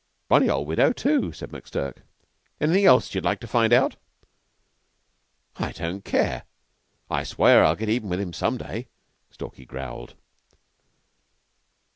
Bony old widow, too," said McTurk. "Anything else you'd like to find out?" "I don't care. I swear I'll get even with him some day," Stalky growled.